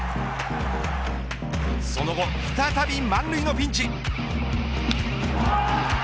その後、再び満塁のピンチ。